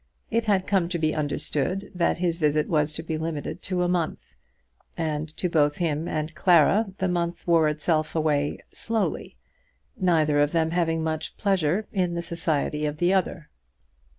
It had come to be understood that his visit was to be limited to a month; and to both him and Clara the month wore itself away slowly, neither of them having much pleasure in the society of the other.